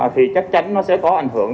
thì chắc chắn nó sẽ có ảnh hưởng